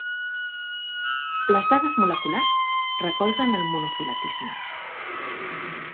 Les dades moleculars recolzen el monofiletisme.